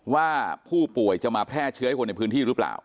ว่าผู้ป่วยจะมาแพร่เชื้อให้คนในพื้นที่หรือเปล่า